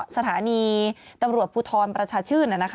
สถานีตำรวจภูทรประชาชื่น